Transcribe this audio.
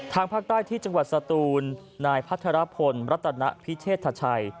ภาคใต้ที่จังหวัดสตูนนายพัทรพลรัตนพิเชษฐชัย